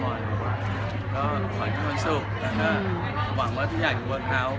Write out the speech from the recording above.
มันก็ความที่มันสุขและก็หวังว่าทุกอย่างจะเป็นเวิร์คเท้า